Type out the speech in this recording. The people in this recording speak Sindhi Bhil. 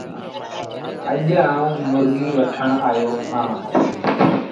اَڄ آئوٚݩ مرگي وٺي آيو اهآݩ